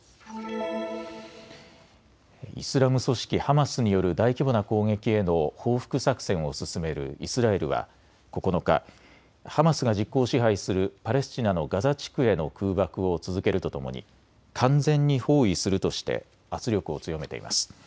イスラム組織ハマスによる大規模な攻撃への報復作戦を進めるイスラエルは９日、ハマスが実効支配するパレスチナのガザ地区への空爆を続けるとともに完全に包囲するとして圧力を強めています。